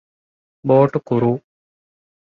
ބޯޓު ކުރޫ